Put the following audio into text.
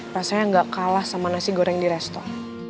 rasanya gak kalah sama nasi goreng di restor